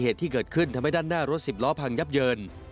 เหตุที่เกิดขึ้นทำให้ด้านหน้ารถสิบล้อพังยับเยิน